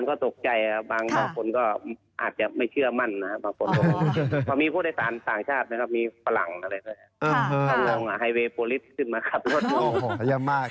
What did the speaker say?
โอ้โหเรียบมาก